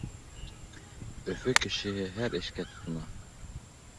Өфө кешеһе һәр эшкә тотона.